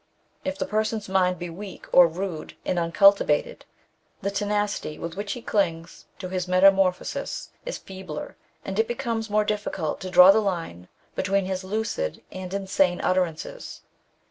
If the person's mind be weak, or rude and uncultivated, the tenacity with which he clings to his metamorphosis is feebler, and it becomes more difficult to draw the line between his lucid and insane utterances.